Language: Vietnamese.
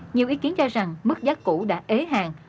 nhiều ý kiến cho rằng mức giá cũ đã ế hàng